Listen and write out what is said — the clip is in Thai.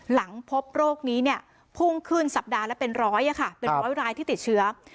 หลังพบโรคนี้เนี่ยพ่วงขึ้นสัปดาห์แล้วเป็นร้อยเนี่ยค่ะเป็นร้อยไร่ที่ติดเชื้อ